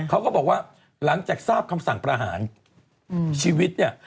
เขาก็บอกว่าหลังจากทราบคำสั่งประหารชีวิตเนี่ย